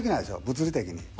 物理的に。